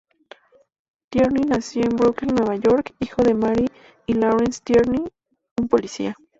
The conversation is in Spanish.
Tierney nació en Brooklyn, Nueva York, hijo de Mary y Lawrence Tierney, un policía.